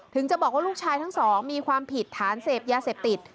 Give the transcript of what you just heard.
จะบอกว่าลูกชายทั้งสองมีความผิดฐานเสพยาเสพติด